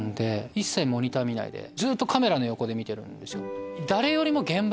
一切モニター見ないでカメラの横で見てるんですよ。